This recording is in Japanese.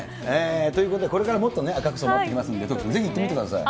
ということで、これからもっとね、赤く染まってきますので、ぜひ行ってみてください。